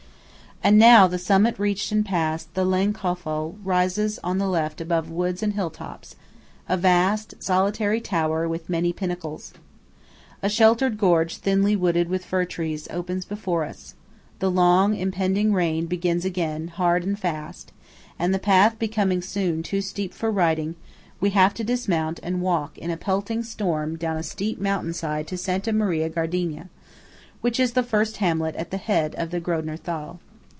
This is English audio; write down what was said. And now, the summit reached and passed, the Lang Kofel rises on the left above woods and hill tops–a vast, solitary tower with many pinnacles. A sheltered gorge thinly wooded with fir trees opens before us; the long impending rain begins again, hard and fast; and the path becoming soon too steep for riding, we have to dismount and walk in a pelting storm down a steep mountain side to Santa Maria Gardena, which is the first hamlet at the head of the Grödner Thal.